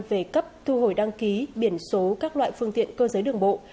về cấp thu hồi đăng ký biển số các loại phương tiện cơ giới đường bộ